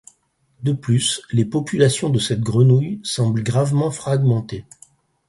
De plus, les populations de cette grenouille semblent gravement fragmentées.